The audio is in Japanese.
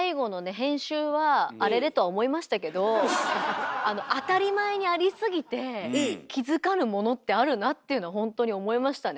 編集は「あれれ？」とは思いましたけどあの当たり前にありすぎて気付かぬものってあるなっていうのはほんとに思いましたね。